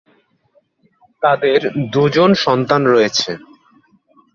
তাদের দুজন সন্তান রয়েছে।